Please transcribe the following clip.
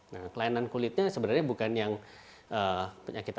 nah kelainan kulitnya sebenarnya bukan yang penyakit autoimun begitu ya